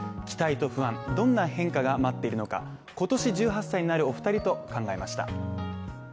期待と不安、どんな変化が待っているのか、今年１８歳になるお２人と考えました。